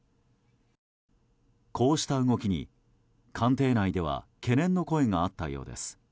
こうした動きに、官邸内では懸念の声があったようです。